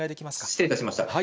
失礼いたしました。